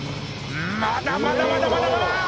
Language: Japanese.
「まだまだまだまだまだ！」